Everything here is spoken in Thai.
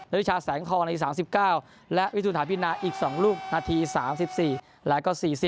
วิชาแสงทองนาที๓๙และวิทูถาพินาอีก๒ลูกนาที๓๔แล้วก็๔๐